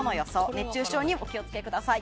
熱中症にお気をつけください。